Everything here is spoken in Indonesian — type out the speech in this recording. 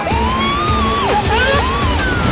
papa pelan pelan pa